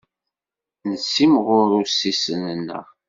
Nessimɣur ussisen-nneɣ.